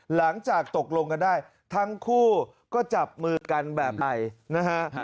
หลังจากตกลงกันได้ทั้งคู่ก็จับมือกันแบบใหม่นะฮะ